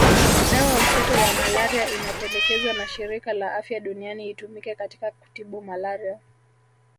Dawa mseto ya malaria inapendekezwa na Shirika la Afya Duniani itumike katika kutibu malaria